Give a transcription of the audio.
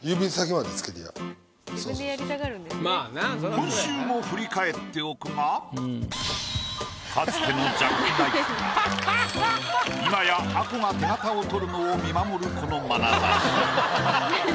今週も振り返っておくがかつてのジャックナイフが今や吾子が手形を取るのを見守るこのまなざし。